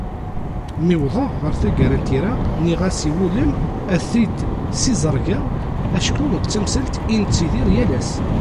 Mi wwḍeɣ ɣer taggara n tira, nniɣ-as iwulem ad t-id-ssiẓergeɣ acku d tamsalt i nettidir yal ass.